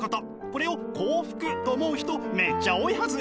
これを幸福と思う人めっちゃ多いはず！